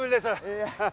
いや。